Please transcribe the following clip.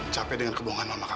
capek dengan kebohongan mama kamu